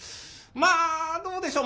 まあどうでしょう